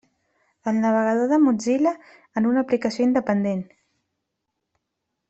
El navegador de Mozilla, en una aplicació independent.